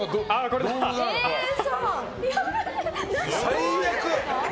最悪。